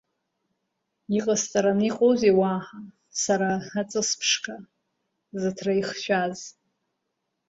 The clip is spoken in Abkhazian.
Иҟасҵаран иҟоузеи уаҳа сара аҵыс ԥшқа, зыҭра ихшәаз!